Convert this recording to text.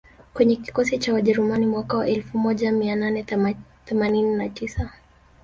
kwenye kikosi cha Wajerumani mwaka wa elfu moja mia nane themanini na tisa